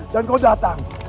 dan kau datang